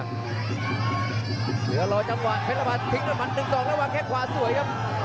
เดี๋ยวรอจังหวะเมทรภาทิ้งด้วยมัน๑๒ระหว่างแค่ขวาสวยครับ